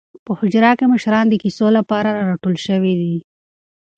په حجره کې مشران د کیسو لپاره راټول شوي دي.